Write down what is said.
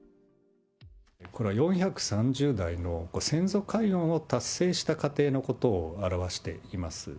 これは４３０代の先祖解怨を達成した家庭のことを表しています。